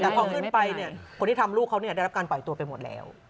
แต่พอขึ้นไปเนี่ยคนที่ทำลูกเขาได้รับการปล่อยตัวไปหมดแล้ว